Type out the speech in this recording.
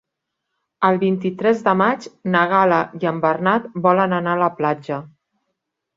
El vint-i-tres de maig na Gal·la i en Bernat volen anar a la platja.